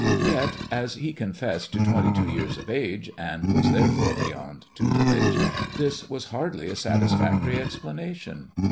Yet as he confessed to twenty two years of age, and was therefore beyond tutelage, this was hardly a satis factory explanation.